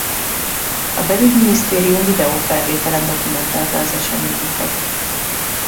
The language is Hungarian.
A Belügyminisztérium videófelvételen dokumentálta az eseményeket.